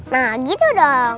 nah gitu dong